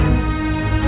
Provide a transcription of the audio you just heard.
aku mau ke rumahnya